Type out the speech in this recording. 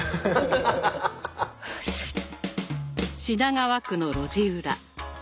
品川区の路地裏。